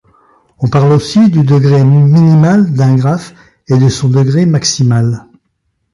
On parle aussi du degré minimal d'un graphe et de son degré maximal.